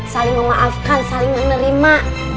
saling memaafkan saling menerima